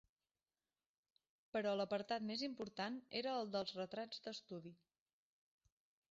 Però l'apartat més important era el dels retrats d'estudi.